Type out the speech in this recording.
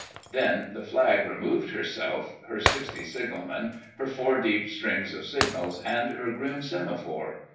Then the Flag removed herself, her sixty signalmen, her four deep strings of signals, and her grim semaphore.